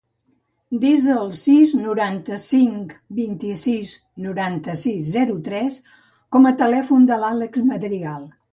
Desa el sis, noranta-cinc, vint-i-sis, noranta-sis, zero, tres com a telèfon de l'Àlex Madrigal.